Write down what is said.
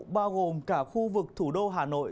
bao gồm cả khu vực thủ đô hà nội